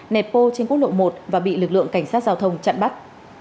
nẹp bô trên quốc lộ một và bị lực lượng cảnh sát giao thông chặn bắt